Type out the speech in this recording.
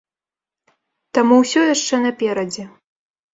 Таму ўсё яшчэ наперадзе!